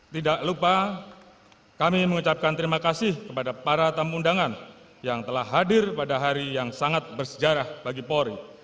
tidak lupa kami mengucapkan terima kasih kepada para tamu undangan yang telah hadir pada hari yang sangat bersejarah bagi polri